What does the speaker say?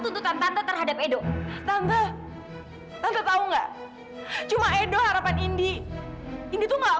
tuntutan tante terhadap edo tante tante tahu enggak cuma edo harapan indy ini tuh enggak